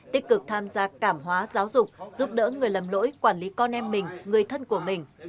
tích cực tham gia cảm hóa giáo dục giúp đỡ người lầm lỗi quản lý con em mình người thân của mình